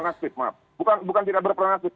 berperan aktif maaf bukan tidak berperan aktif